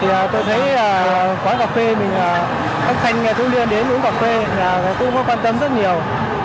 thì tôi thấy quán cà phê mình các thanh thiếu niên đến uống cà phê cũng có quan tâm rất nhiều